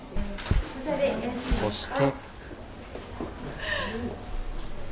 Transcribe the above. そして。